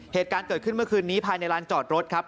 เหตุการณ์เกิดขึ้นเมื่อคืนนี้ภายในร้านจอดรถครับ